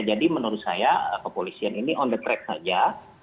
jadi menurut saya kepolisian ini on the track saja